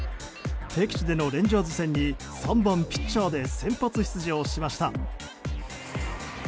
敵地でのレンジャーズ戦に３番ピッチャーで先発出場しました。